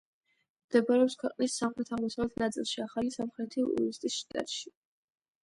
მდებარეობს ქვეყნის სამხრეთ-აღმოსავლეთ ნაწილში, ახალი სამხრეთი უელსის შტატში.